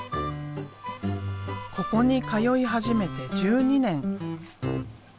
ここに通い始めて１２年。